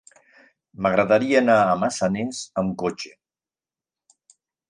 M'agradaria anar a Massanes amb cotxe.